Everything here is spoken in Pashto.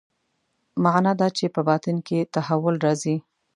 معنا دا چې په باطن کې تحول راځي.